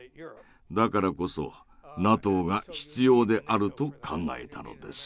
だからこそＮＡＴＯが必要であると考えたのです。